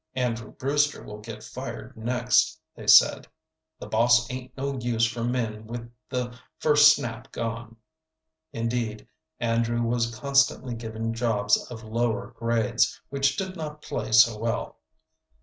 "Andrew Brewster will get fired next," they said. "The boss 'ain't no use for men with the first snap gone." Indeed, Andrew was constantly given jobs of lower grades, which did not pay so well.